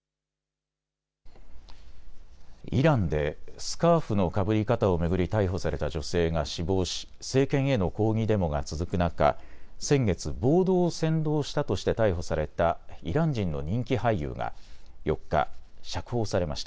イランでスカーフのかぶり方を巡り逮捕された女性が死亡し政権への抗議デモが続く中、先月、暴動を扇動したとして逮捕されたイラン人の人気俳優が４日、釈放されました。